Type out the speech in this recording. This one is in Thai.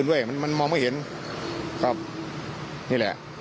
เป็นมันมองไม่เห็นครับนี่แหละ